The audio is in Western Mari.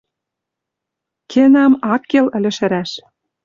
Кӹнам ак кел ыльы шӹрӓш